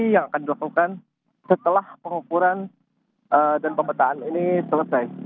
yang akan dilakukan setelah pengukuran dan pemetaan ini selesai